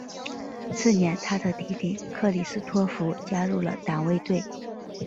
次年他的弟弟克里斯托福加入了党卫队。